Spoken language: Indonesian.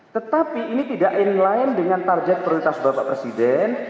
tetapi ini tidak inline dengan target prioritas bapak presiden